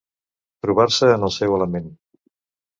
Trobar-se en el seu element.